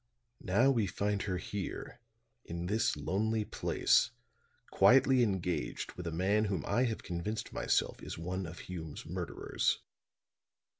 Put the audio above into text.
Now we find her here in this lonely place, quietly engaged with a man whom I have convinced myself is one of Hume's murderers."